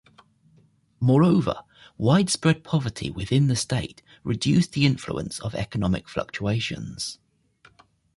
Moreover, widespread poverty within the state reduced the influence of economic fluctuations.